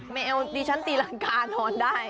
แมวดิฉันตีรังกานอนได้